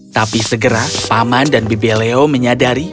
tapi segera paman dan bibi leo menyadari